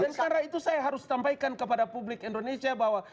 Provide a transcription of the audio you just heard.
dan karena itu saya harus sampaikan kepada publik indonesia bahwa